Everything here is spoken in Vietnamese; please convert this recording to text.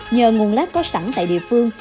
nhờ nguồn lát có sẵn tại địa phương